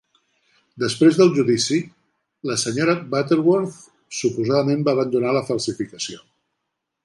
Després del judici, la senyora Butterworth suposadament va abandonar la falsificació.